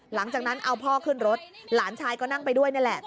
หลังจากนั้นเอาพ่อขึ้นรถหลานชายก็นั่งไปด้วยนี่แหละ